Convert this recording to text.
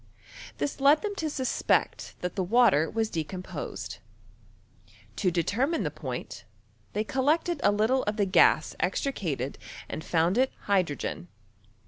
This led them to suspect that the water was decomposed. To determine the point, they collected a little of the gms 'extricated and found it hydrogen.